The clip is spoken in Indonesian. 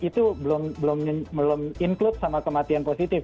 itu belum include sama kematian positif